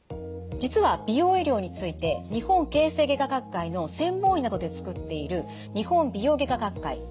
実は美容医療について日本形成外科学会の専門医などで作っている日本美容外科学会